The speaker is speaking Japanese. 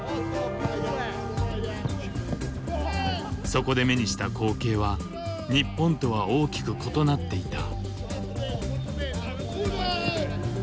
そこで目にした光景は日本とは大きく異なっていた。